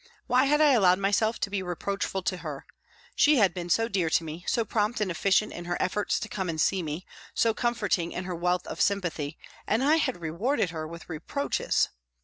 Why had I allowed myself to be reproachful to her ? She had been so dear to me, so prompt and efficient in her efforts to come and see me, so comforting in her wealth of sympathy, and I had rewarded her with reproaches